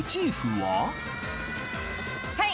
はい！